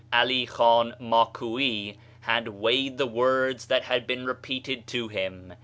Ali Khan Makoui had weighed the words that had been repeated to him.